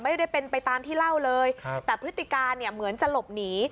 ไม่ได้เป็นไปตามที่เล่าเลยแต่พฤติการเนี่ยเหมือนจะหลบหนี